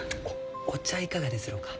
お茶いかがですろうか？